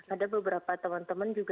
ada beberapa teman teman juga